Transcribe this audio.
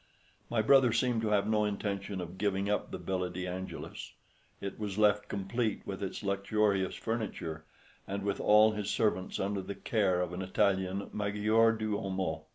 My brother seemed to have no intention of giving up the Villa de Angelis. It was left complete with its luxurious furniture, and with all his servants, under the care of an Italian maggior duomo.